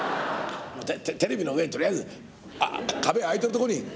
テレビの上にとりあえず壁空いてるとこにねつけようよ」。